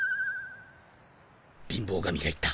貧乏神が行った。